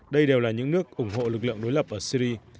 đây đều là những nước ủng hộ lực lượng đối lập ở syri